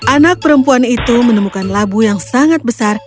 anak perempuan itu menemukan labu yang sangat besar